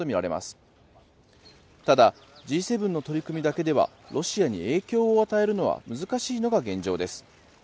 がだ、Ｇ７の取り組みだけではロシアに影響を与えるのは難しいのが現状です。